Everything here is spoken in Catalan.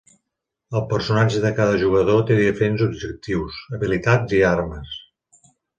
El personatge de cada jugador té diferents objectius, habilitats i armes.